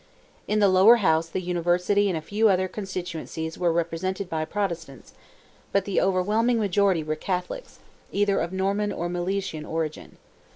In the Lower House the University and a few other constituencies were represented by Protestants, but the overwhelming majority were Catholics, either of Norman or Milesian origin.